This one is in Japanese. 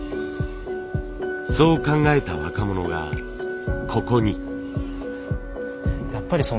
そう考えた若者がここに。